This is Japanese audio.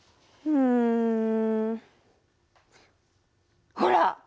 うん。ほら！